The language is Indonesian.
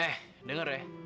eh denger ya